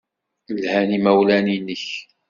Lhan yimawlan-nnek.